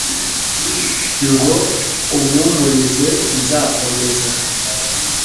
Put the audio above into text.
ngo umpumurize, nzakomeza